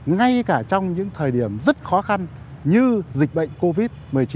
ngay cả trong những thời điểm rất khó khăn như dịch bệnh covid một mươi chín